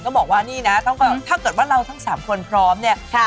บอกว่านี่นะถ้าเกิดว่าเราทั้ง๓คนพร้อมเนี่ย